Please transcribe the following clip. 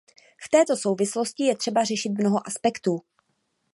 V této souvislosti je třeba řešit mnoho aspektů.